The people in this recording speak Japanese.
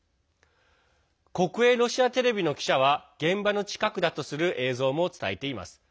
国営ロシアテレビの記者は現場の近くだとする映像も伝えています。